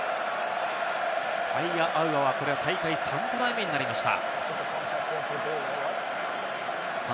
パイアアウアは、これで大会、３トライ目になりました。